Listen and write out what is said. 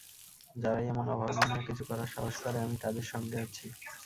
যারাই এমন অভাবনীয় কিছু করার সাহস করে, আমি তাদের সঙ্গে আছি।